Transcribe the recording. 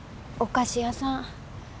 お菓子屋さん。